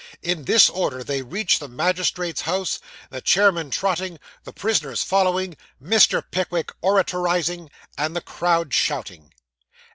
In this order they reached the magistrate's house; the chairmen trotting, the prisoners following, Mr. Pickwick oratorising, and the crowd shouting.